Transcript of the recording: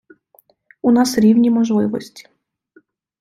У нас рівні можливості.